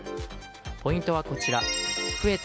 ポイントはこちら増えた